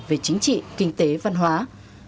về trận tự an ninh trật tự trên địa bàn tỉnh